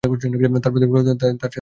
তাঁর প্রতিপালক তার সাথে কথা বললেন।